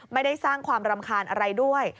ไม่ได้สร้างความรำคาญอะไรด้วย